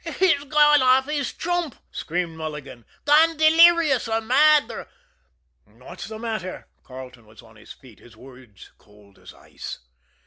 "He's gone off his chump!" screamed Mulligan. "Gone delirious, or mad, or " "What's the matter?" Carleton was on his feet, his words cold as ice.